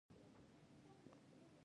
د مالي مکافاتو ورکول هم تشویق ګڼل کیږي.